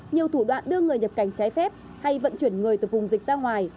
nhiều thủ đoạn đưa người nhập cảnh trái phép hay vận chuyển người từ vùng dịch ra ngoài